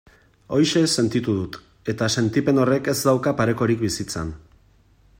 Horixe sentitu dut, eta sentipen horrek ez dauka parekorik bizitzan.